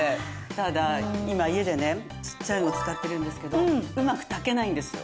ただ今家でねちっちゃいの使ってるんですけどうまく炊けないんですよ。